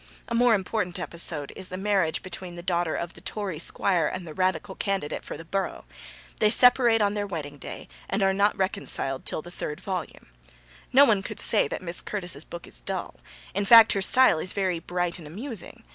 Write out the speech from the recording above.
A more important episode is the marriage between the daughter of the Tory squire and the Radical candidate for the borough. They separate on their wedding day, and are not reconciled till the third volume. No one could say that Miss Curtis's book is dull. In fact, her style is very bright and amusing.